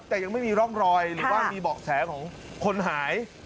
แต่ยังไม่มีร่องรอยหรือว่ามีเบาะแสของคนหาย